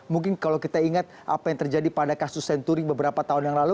mungkin kalau kita ingat apa yang terjadi pada kasus senturing beberapa tahun yang lalu